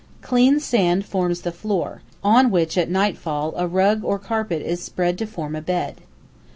Clean sand forms the floor, on which at nightfall a rug or carpet is spread to form a bed.